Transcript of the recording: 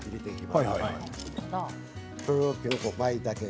まいたけ。